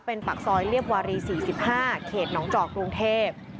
เป็นปากซอยเรียบวารี๔๕เขตหนองจอกกรุงเทพ